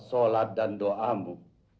salat dan doamu